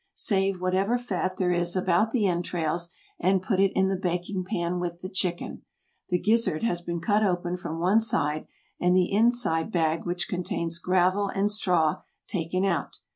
Save whatever fat there is about the entrails, and put it in the baking pan with the chicken. The gizzard has been cut open from one side and the inside bag which contains gravel and straw taken out.